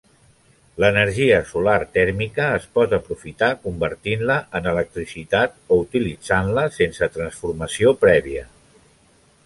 L'energia solar tèrmica es pot aprofitar convertint-la en electricitat o utilitzant-la sense transformació prèvia.